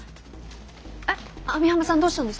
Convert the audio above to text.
網浜さんどうしたんですか？